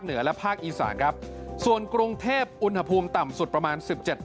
เหนือและภาคอีสานครับส่วนกรุงเทพอุณหภูมิต่ำสุดประมาณสิบเจ็ด